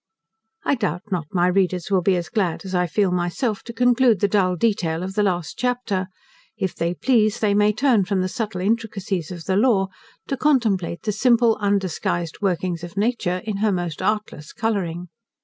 I doubt not my readers will be as glad as I feel myself, to conclude the dull detail of the last chapter. If they please, they may turn from the subtle intricacies of the law, to contemplate the simple, undisguised workings of nature, in her most artless colouring.